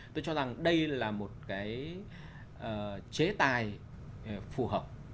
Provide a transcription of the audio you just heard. tôi cho rằng đây là một cái chế tài phù hợp